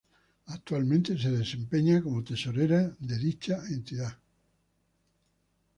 Actualmente se desempeña como tesorera de dicha entidad.